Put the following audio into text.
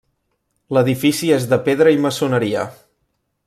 L'edifici és de pedra i maçoneria.